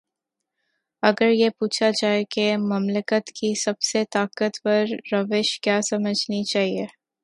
اگر یہ پوچھا جائے کہ مملکت کی سب سے طاقتور روش کیا سمجھنی چاہیے۔